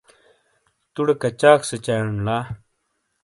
توڈے کچاک سیچائیون لا۔